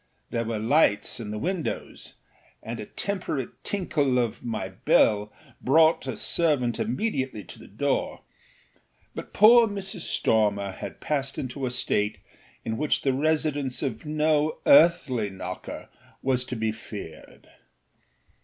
There were lights in the windows, and the temperate tinkle of my bell brought a servant immediately to the door, but poor Mrs. Stormer had passed into a state in which the resonance of no earthly knocker was to be feared.